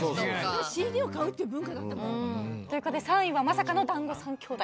ＣＤを買うっていう文化だったもん。ということで３位はまさかの『だんご３兄弟』と。